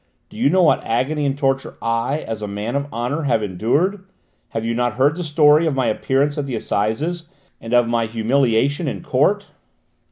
Do you know what agony and torture I, as a man of honour, have endured? Have you not heard the story of my appearance at the Assizes and of my humiliation in court?"